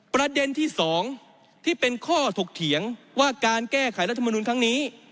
ประเด็นที่๒ที่เป็นข้อถกเถียงว่าการแก้ไขรัฐมนุนครั้งนี้